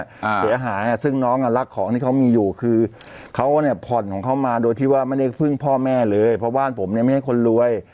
อ่าเสียหายอ่ะซึ่งน้องอ่ะรักของที่เขามีอยู่คือเขาเนี่ยผ่อนของเขามาโดยที่ว่าไม่ได้พึ่งพ่อแม่เลยเพราะบ้านผมเนี่ยไม่ใช่คนรวย